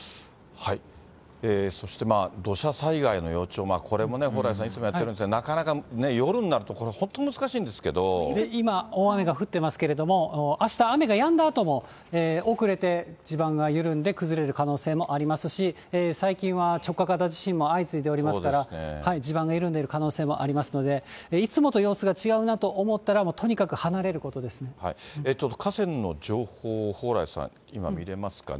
そして土砂災害の予兆、これも、蓬莱さん、いつもやってるんですが、なかなか夜になると、これ、今、大雨が降っていますけれども、あした雨がやんだあとも、遅れて地盤が緩んで、崩れる可能性もありますし、最近は直下型地震も相次いでおりますから、地盤が緩んでる可能性もありますので、いつもと様子が違うなと思ったら、河川の情報、蓬莱さん、今、見れますかね？